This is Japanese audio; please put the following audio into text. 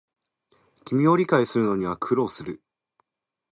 君を理解するのには苦労する